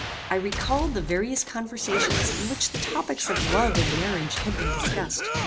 I recalled the various conversations in which the topics of love and marriage had been discussed.